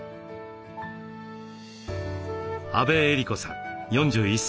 阿部恵里子さん４１歳です。